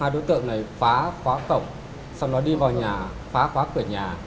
hai đối tượng này phá khóa cổng sau đó đi vào nhà phá khóa cửa nhà